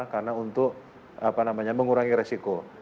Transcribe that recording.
karena untuk mengurangi resiko